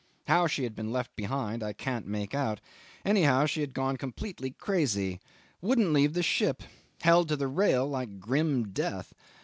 How she had been left behind I can't make out; anyhow, she had gone completely crazy wouldn't leave the ship held to the rail like grim death.